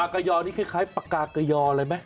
ก็คล้ายปากกากย่อไหม